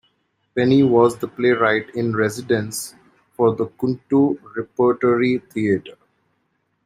Penny was the playwright-in-residence for the Kuntu Repertory Theatre.